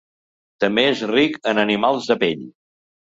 També és ric en animals de pell.